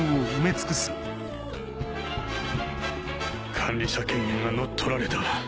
管理者権限が乗っ取られた。